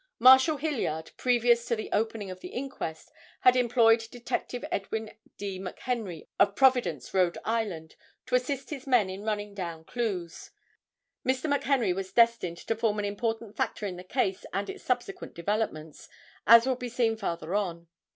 Marshal Hilliard, previous to the opening of the inquest, had employed Detective Edwin D. McHenry of Providence, R. I., to assist his men in running down clues. Mr. McHenry was destined to form an important factor in the case and its subsequent developments, as will be seen farther on.